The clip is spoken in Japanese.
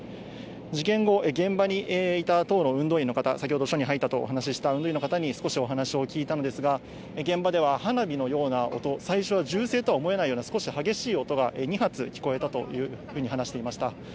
事件後、現場にいた党の運動員の方、先ほど、署に入ったという運動員の方に少しお話を聞いたのですが、現場では花火のような音、最初は銃声とは思えないような激しい音が２発聞こえたというふうに話していました。